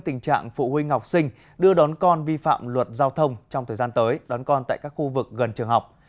tình trạng phụ huynh học sinh đưa đón con vi phạm luật giao thông trong thời gian tới đón con tại các khu vực gần trường học